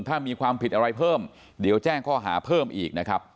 ถ้ามีความผิดอะไรเพิ่มเดี๋ยวแจ้งข้อหาเพิ่มอีกนะครับ